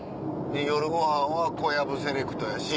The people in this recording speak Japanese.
夜ご飯は小籔セレクトやし。